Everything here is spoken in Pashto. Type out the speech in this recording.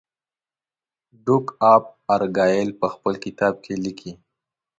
ډوک آف ارګایل په خپل کتاب کې لیکي.